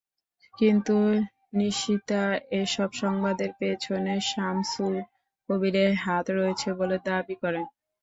কিন্তু নিশীতা এসব সংবাদের পেছনে শামসুল কবিরের হাত রয়েছে বলে দাবি করেন।